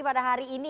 pada hari ini